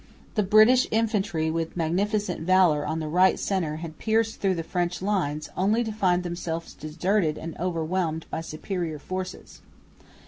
The British infantry with magnificent valour on the right centre had pierced through the French lines, only to find themselves deserted and overwhelmed by superior forces.